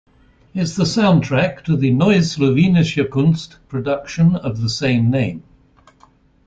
It is the soundtrack to the Neue Slowenische Kunst production of the same name.